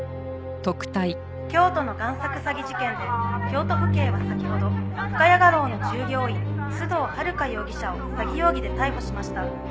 「京都の贋作詐欺事件で京都府警は先ほど深谷画廊の従業員須藤温香容疑者を詐欺容疑で逮捕しました」